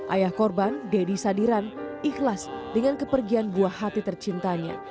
ayah korban deddy sadiran ikhlas dengan kepergian buah hati tercintanya